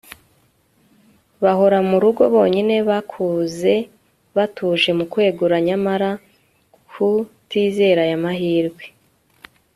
bahora murugo bonyine bakuze batuje mukwegura nyamara kutizera aya mahirwe